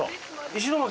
石巻？